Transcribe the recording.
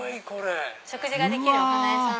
食事ができるお花屋さん。